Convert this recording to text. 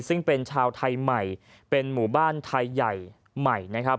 ซึ่งเป็นชาวไทยใหม่เป็นหมู่บ้านไทยใหญ่ใหม่นะครับ